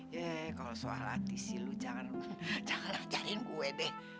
ye kalau soal latisi lo jangan jangan lah cariin gue deh